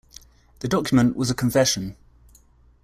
The document was a confession.